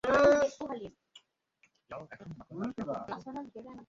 যাও এখন মাটন আর পেয়াজু আনতে বলো।